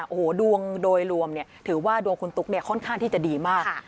โอ้โหดวงโดยรวมถือว่าดวงคุณตุ๊กเนี่ยค่อนข้างที่จะดีมาก